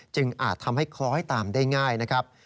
อาจทำให้คล้อยตามได้ง่ายนะครับ